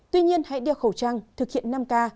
tuy nhiên hãy đeo khẩu trang thực hiện năm k